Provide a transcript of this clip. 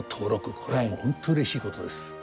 これは本当うれしいことです。